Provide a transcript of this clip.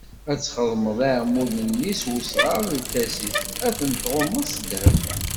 Ad txedmeḍ iɛmuden-nni s wesɣar n lkasis, ad ten-tɣummeḍ s ddheb.